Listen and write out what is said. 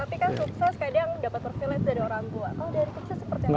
tapi kan sukses kadang dapat perfilis dari orang tua